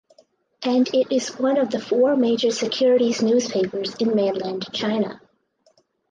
And it is one of the four major securities newspapers in Mainland China.